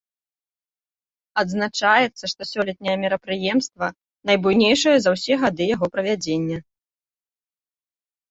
Адзначаецца, што сёлетняе мерапрыемства найбуйнейшае за ўсе гады яго правядзення.